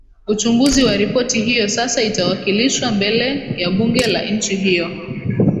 uchunguzi wa ripoti hiyo sasa itawakilishwa mbele ya bunge la nchi hiyo